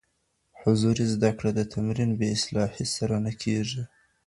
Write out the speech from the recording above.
حضوري زده کړه د تمرين بې اصلاحۍ سره نه کيږي.